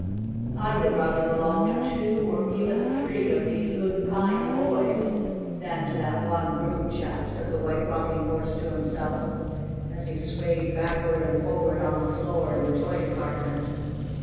"I would rather belong to two, or even three, of these good, kind boys, than to that one rude chap," said the White Rocking Horse to himself, as he swayed backward and forward on the floor in the toy department.